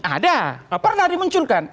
ada pernah dimunculkan